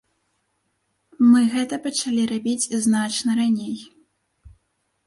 Мы гэта пачалі рабіць значна раней.